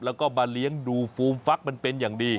แล้วก็มาเลี้ยงดูฟูมฟักมันเป็นอย่างดี